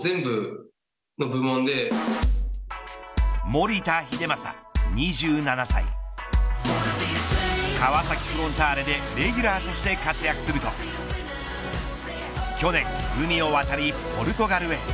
守田英正、２７歳川崎フロンターレでレギュラーとして活躍すると去年、海を渡りポルトガルへ。